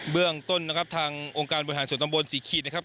เรื่องต้นนะครับทางองค์การบริหารส่วนตำบลศรีขีดนะครับ